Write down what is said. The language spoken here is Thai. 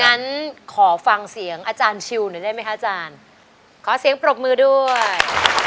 งั้นขอฟังเสียงอาจารย์ชิวหน่อยได้ไหมคะอาจารย์ขอเสียงปรบมือด้วย